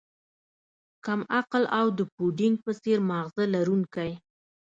کم عقل او د پوډینګ په څیر ماغزه لرونکی